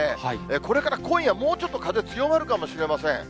これから今夜、もうちょっと風強まるかもしれません。